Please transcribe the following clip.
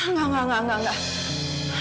enggak enggak enggak